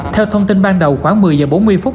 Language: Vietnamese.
theo thông tin ban đầu khoảng một mươi giờ bốn mươi phút